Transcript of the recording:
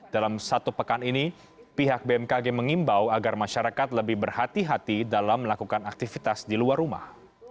dalam satu pekan ini pihak bmkg mengimbau agar masyarakat lebih berhati hati dalam melakukan aktivitas di luar rumah